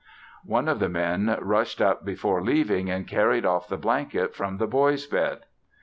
One of the men rushed up before leaving and carried off the blanket from the boys' bed.